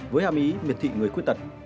với hàm ý miệt thị người khuyết tật